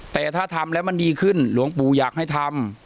แต่ถ้าทำแล้วมันดีขึ้นหลวงปู่อยากให้ทำ